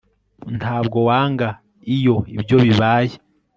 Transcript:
Ntabwo wanga iyo ibyo bibaye